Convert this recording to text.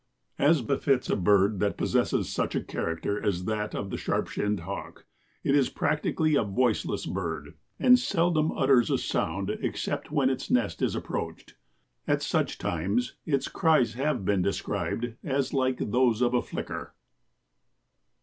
As befits a bird that possesses such a character as that of the Sharp shinned Hawk, it is practically a voiceless bird and seldom utters a sound except when its nest is approached. At such times its cries have been described as like those of a flicker.